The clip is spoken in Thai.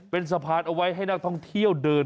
เป็นสะพานเอาไว้ให้นักท่องเที่ยวเดิน